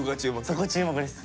そこ注目です。